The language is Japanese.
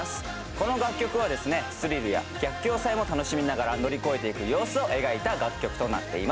この楽曲はスリルや逆境さえも楽しみながら乗り越えていく様子を描いた楽曲となっています